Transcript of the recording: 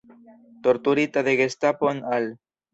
Torturita de gestapo en Al.